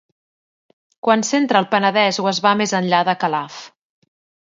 Quan s'entra al Penedès o es va més enllà de Calaf